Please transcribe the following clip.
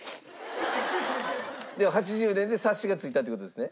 でも８０年で察しがついたっていう事ですね？